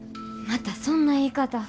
またそんな言い方。